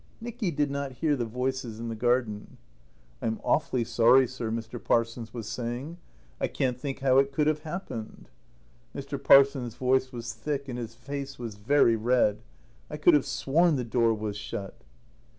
Nicky did not hear the voices in the garden. "I'm awfully sorry, sir," Mr. Parsons was saying. "I can't think how it could have happened." Mr. Parsons' voice was thick and his face was very red. "I could have sworn the door was shut."